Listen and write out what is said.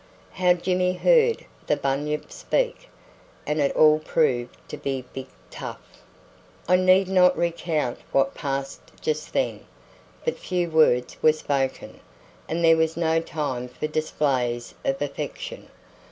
HOW JIMMY HEARD THE BUNYIP SPEAK, AND IT ALL PROVED TO BE "BIG 'TUFF." I Need not recount what passed just then. But few words were spoken, and there was no time for displays of affection.